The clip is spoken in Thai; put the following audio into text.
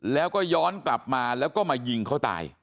แล้วก็ย้อนกลับมาแล้วก็มายิงเขาตาย